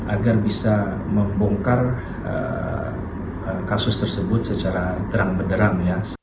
agar bisa membongkar kasus tersebut secara deram deram